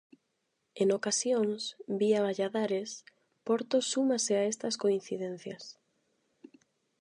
En ocasións, vía Valladares, Porto súmase a estas coincidencias.